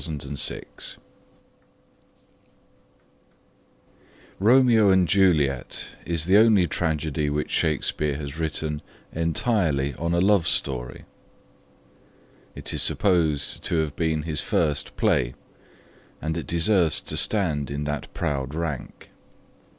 ROMEO AND JULIET ROMEO AND JULIET is the only tragedy which Shakespeare has written entirely on a love story. It is supposed to have been his first play, and it deserves to stand in that proud rank.